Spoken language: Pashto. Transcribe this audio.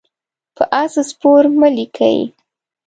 په آس سپور مه لیکئ.